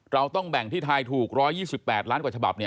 เราต้องแบ่งที่ทายถูก๑๒๘ล้านกว่าฉบับ